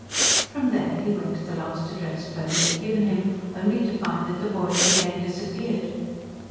From there he went to the last address Purdy had given him; only to find that the boy had again disappeared.